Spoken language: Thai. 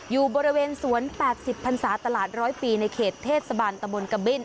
อยู่บริเวณสวน๘๐พันศาตลาดร้อยปีในเขตเทศบาลตะบนกะบิน